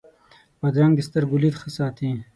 بادرنګ د سترګو لید ښه ساتي.